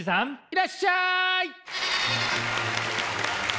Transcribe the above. いらっしゃい！